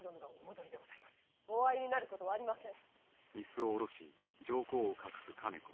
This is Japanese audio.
お会いになることはありません。